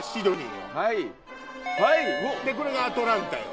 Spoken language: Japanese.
でこれがアトランタよ。